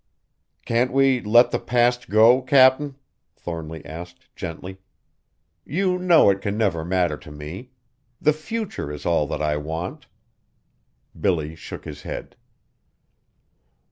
"Can't we let the past go, Cap'n?" Thornly asked gently. "You know it can never matter to me. The future is all that I want." Billy shook his head.